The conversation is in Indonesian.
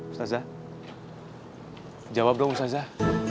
ustazah jawab dong ustazah